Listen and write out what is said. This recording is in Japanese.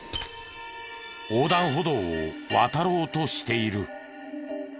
横断歩道を渡ろうとしている。